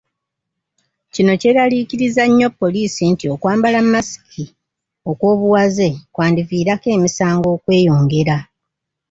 Kino kyeraliikirizza nnyo poliisi nti okwambala masiki okw'obuwaze kwandiviirako emisango okweyongera.